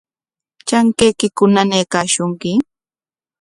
¿Trankaykiku nanaykashunki?